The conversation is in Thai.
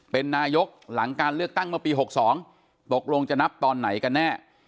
เป็นนายกหลังการเลือกตั้งเมื่อปี๖๒ตกลงจะนับตอนไหนกันแน่